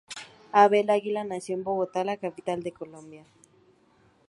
Abel Aguilar nació en Bogotá, la capital de Colombia.